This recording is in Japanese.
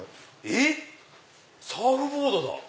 えっ⁉サーフボードだ。